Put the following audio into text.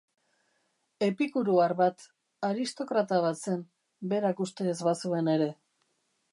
Epikuroar bat, aristokrata bat zen, berak uste ez bazuen ere.